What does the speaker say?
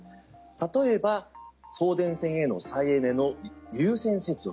例えば送電線への再エネの優先接続。